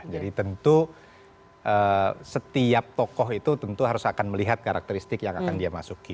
jadi tentu setiap tokoh itu tentu harus akan melihat karakteristik yang akan dia masuki